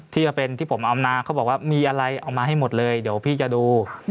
ที่เป็นที่ผมเอานาเขาบอกว่ามีอะไรเอามาให้หมดเลยเดี๋ยวพี่จะดู